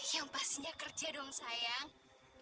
yang pastinya kerja dong sayang